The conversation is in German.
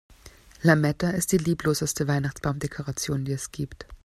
Lametta ist die liebloseste Weihnachtsbaumdekoration, die es gibt.